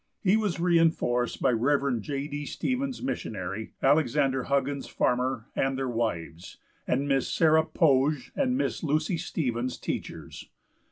He was reinforced by Rev. J. D. Stevens, missionary, Alexander Huggins, farmer, and their wives, and Miss Sarah Poage and Miss Lucy Stevens, teachers.